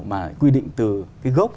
mà quy định từ cái gốc